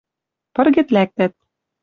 пыргед лӓктӓт